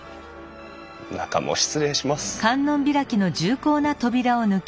中も失礼します。